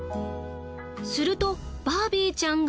するとバービーちゃんが。